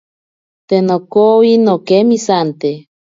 Te nokowi nokemisante.